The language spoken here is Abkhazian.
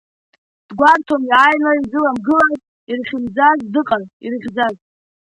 Дгәарҭон иааины изыламгылаз, ирхьымӡаз дыҟан, ирыхьӡаз.